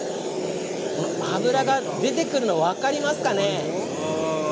脂が出てくるの分かりますか？